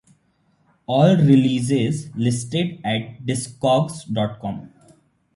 All releases listed at discogs dot com.